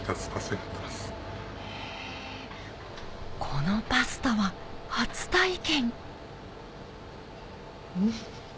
このパスタは初体験んっ！